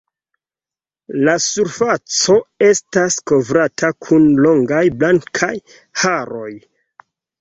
La surfaco estas kovrata kun longaj blankaj haroj.